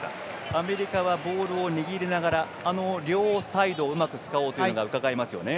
アメリカはボールを握りながら両サイドをうまく使うのがうかがえますよね。